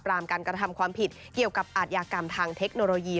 การกระทำความผิดเกี่ยวกับอาทยากรรมทางเทคโนโลยี